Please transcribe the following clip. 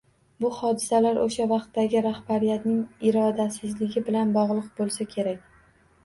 Bo hodisalar oʻsha vaqtdagi rahbariyatning irodasizligi bilan bogʻliq boʻlsa kerak.